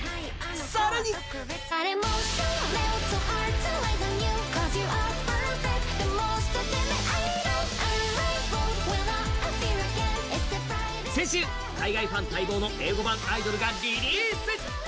更に先週、海外ファン待望の英語版が待望のリリース。